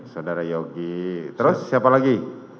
saudara yogi terus siapa lagi